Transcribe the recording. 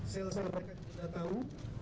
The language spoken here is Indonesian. sel sel mereka sudah tahu